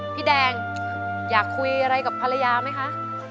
พี่แดงอยากคุยอะไรกับภรรยาไหมคะ